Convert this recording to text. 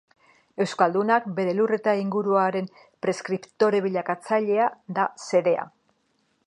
Euskaldunak bere lur eta inguruaren preskriptore bilakatzea da xedea.